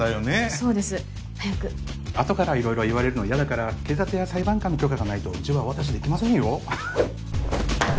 そうです早くあとから色々言われるの嫌だから警察や裁判官の許可がないとうちはお渡しできませんよ